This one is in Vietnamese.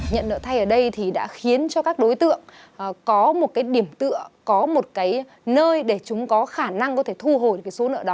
nhận nợ thay ở đây đã khiến cho các đối tượng có một điểm tựa có một nơi để chúng có khả năng thu hồi số nợ đó